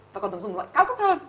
và còn dùng loại cao cấp hơn